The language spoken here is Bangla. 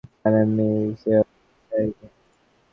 স্যার, আমি সেভাবে বলতে চাইনি।